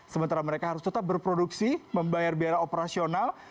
sementara mereka harus tetap berproduksi membayar biaya operasional